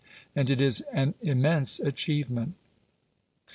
And it is an immense achievement.